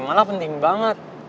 malah penting banget